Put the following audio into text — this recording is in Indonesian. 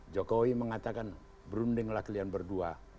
jokowi mengatakan berundinglah kalian berdua